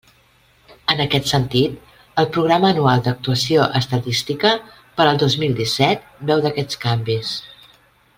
En aquest sentit, el Programa anual d'actuació estadística per al dos mil disset beu d'aquests canvis.